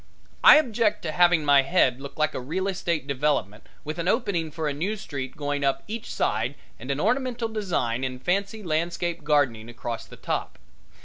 I object to having my head look like a real estate development with an opening for a new street going up each side and an ornamental design in fancy landscape gardening across the top.